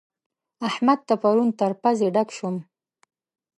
احمد ته پرون تر پزې ډک شوم.